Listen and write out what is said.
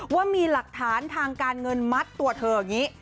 ว่ามีหลักฐานทางการเงินมัดตัวเธออย่างนี้